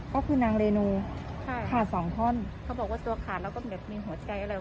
ก็คือนางเรนูค่ะขาดสองท่อนเขาบอกว่าตัวขาดแล้วก็แบบมีหัวใจอะไร